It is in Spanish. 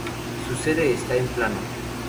Su sede está en Plano.